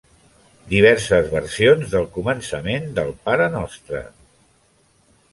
Diverses versions del començament del Parenostre.